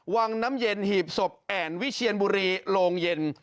วังน้ำเย็นหีบศพแอ่นวิเชียนบุรีโรงเย็น